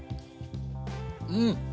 うん！